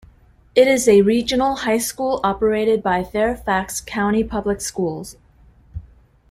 It is a regional high school operated by Fairfax County Public Schools.